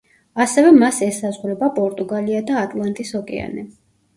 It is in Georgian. ასევე მას ესაზღვრება პორტუგალია და ატლანტის ოკეანე.